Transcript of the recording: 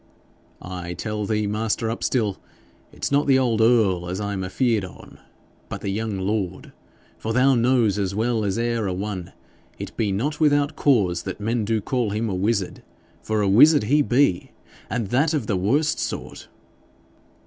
'I tell thee, master Upstill, it's not the old earl as I'm afeard on, but the young lord. For thou knows as well as ere a one it be not without cause that men do call him a wizard, for a wizard he be, and that of the worst sort.'